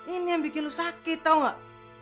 ini yang bikin lo sakit tau gak